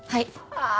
ああ！